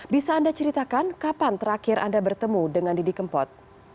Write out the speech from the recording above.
bisa anda ceritakan kapan terakhir anda bertemu dengan didi kempot